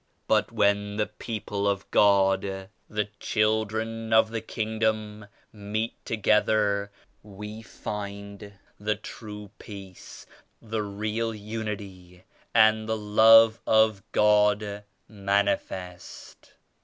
But when the people of God, the children of the Kingdom meet together, we find the true peace, the real Unity and the Love of God mani fest."